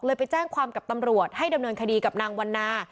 ไปแจ้งความกับตำรวจให้ดำเนินคดีกับนางวันนา